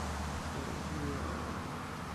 a, mi jo e ona.